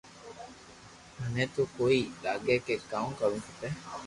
مني تو ڪوئي لاگي ڪي ڪاو ڪروُ کپي